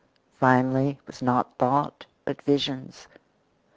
Finally, it was not thought, but visions.